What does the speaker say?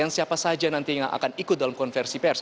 dan siapa saja nantinya akan ikut dalam konversi pers